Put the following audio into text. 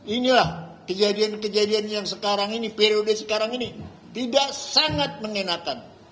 inilah kejadian kejadian yang sekarang ini periode sekarang ini tidak sangat mengenakan